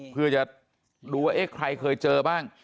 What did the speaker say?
เพื่อจะดูว่าเอ๊ะใครเคยเจอบ้าง